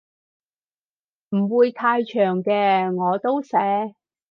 唔會太長嘅我都寫